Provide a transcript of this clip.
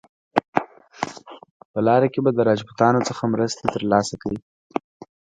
په لاره کې به د راجپوتانو څخه مرستې ترلاسه کړي.